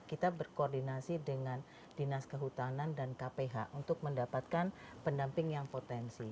kita berkoordinasi dengan dinas kehutanan dan kph untuk mendapatkan pendamping yang potensi